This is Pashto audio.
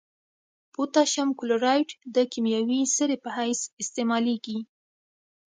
پوتاشیم کلورایډ د کیمیاوي سرې په حیث استعمالیږي.